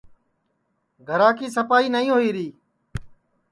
گھرا کی سپائی نائی ہوئی ری